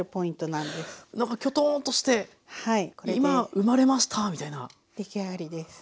なんかきょとんとして「今生まれました」みたいな。出来上がりです。